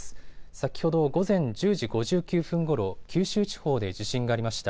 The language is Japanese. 先ほど午前１０時５９分ごろ、九州地方で地震がありました。